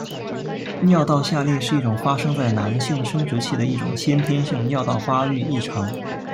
尿道下裂是一种发生在男性生殖器的一种先天性尿道发育异常。